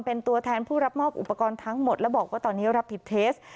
เป็นตัวแทนผู้รับมอบอุปกรณ์ทั้งหมดและบอกว่าตอนนี้รับผิดเทส